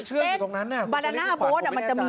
คือต้องบอกอย่างนี้